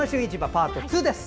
パート２です。